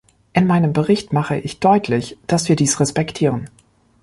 In meinem Bericht mache ich deutlich, dass wir dies respektieren.